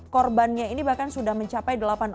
korbannya ini bahkan sudah mencapai delapan orang